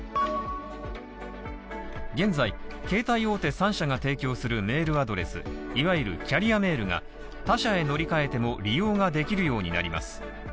現在、携帯大手３社が提供するメールアドレス、いわゆるキャリアメールが他社へ乗り換えても利用ができるようになります。